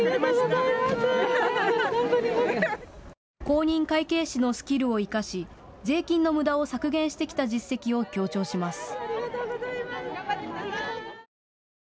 公認会計士のスキルを生かし、税金のむだを削減してきた実績を強調します。